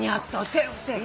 セーフセーフ。